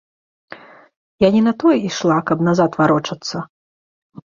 Я не на тое ішла, каб назад варочацца!